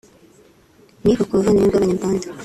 ni uko ubuvandimwe bw’Abanyarwanda